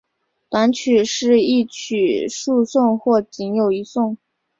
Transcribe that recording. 短曲是一曲数颂或仅有一颂。